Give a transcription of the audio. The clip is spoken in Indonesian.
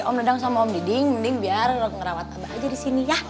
om nendang sama om diding mending biar ngerawat abah aja di sini ya